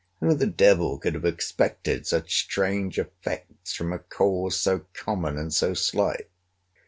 Who the devil could have expected such strange effects from a cause so common and so slight?